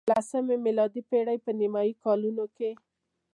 د لسمې میلادي پېړۍ په نیمايي کلونو کې.